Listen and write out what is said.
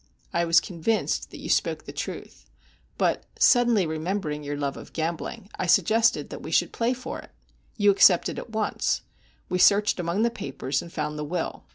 I was convinced that you spoke the truth, but, suddenly remembering your love of gambling, I suggested that we should play for it. You accepted at once. We searched among the papers, and found the will.